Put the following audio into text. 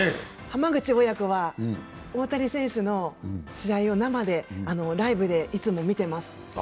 浜口親子は大谷選手の試合をライブでいつも見てます。